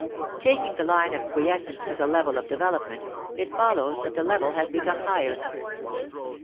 Taking the line of quiescence as a level of development, it follows that the level has become higher.